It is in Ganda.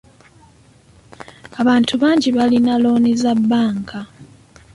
Abantu bangi balina looni za bbanka.